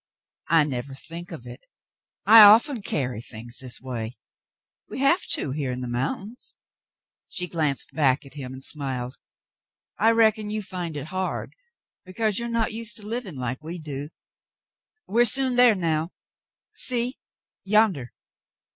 *'I never think of it. I often carry things this way. — We have to here in the mountains." She glanced back at him and smiled. *'I reckon you find it hard because you are not used to living like we do; we're soon there now, see yonder